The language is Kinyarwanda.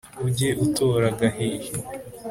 Ujye utora agahihi